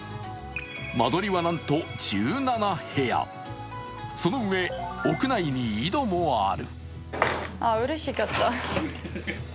間取りはなんと１７部屋、そのうえ、屋内に井戸もある。